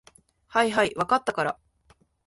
はいはい、分かったから。